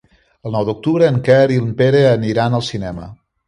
El nou d'octubre en Quer i en Pere aniran al cinema.